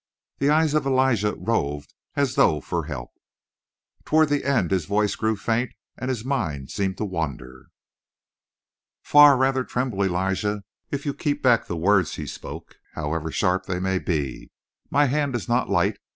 The eyes of Elijah roved as though for help. "Toward the end his voice grew faint and his mind seemed to wander." "Far rather tremble, Elijah, if you keep back the words he spoke, however sharp they may be. My hand is not light.